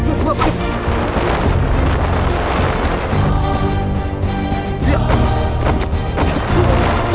kalau kami lha menyerahnya